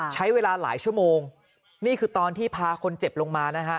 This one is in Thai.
ใช้เวลาหลายชั่วโมงนี่คือตอนที่พาคนเจ็บลงมานะฮะ